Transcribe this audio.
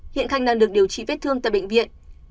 hiện khanh đang được điều trị vết thương tại bệnh viện